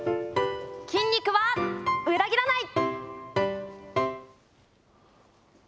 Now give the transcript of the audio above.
筋肉は裏切らない。